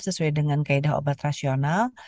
sesuai dengan kaedah obat rasional